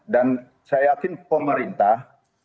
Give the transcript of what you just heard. dan saya yakin pemerintah